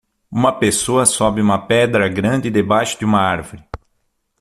Uma pessoa sobe uma pedra grande debaixo de uma árvore.